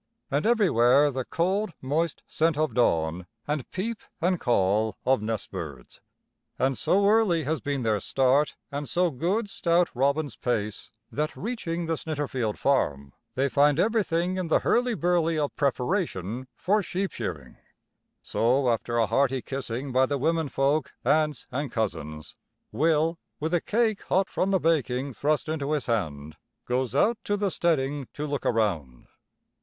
And everywhere the cold, moist scent of dawn, and peep and call of nest birds. [Illustration: "Bound for Grandfather's at Snitterfield they were"] And so early has been their start and so good stout Robin's pace, that reaching the Snitterfield farm, they find everything in the hurly burly of preparation for sheep shearing. So, after a hearty kissing by the womenfolk, aunts and cousins, Will, with a cake hot from the baking thrust into his hand, goes out to the steading to look around.